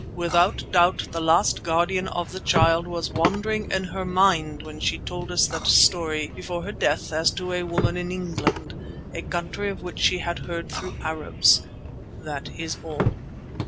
Without doubt the last Guardian of the Child was wandering in her mind when she told us that story before her death as to a woman in England, a country of which she had heard through Arabs. That is all."